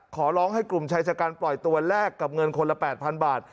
ขอร้องให้กลุ่มชายชะกันปล่อยตัวแลกกับเงินคนละ๘๐๐๐บาท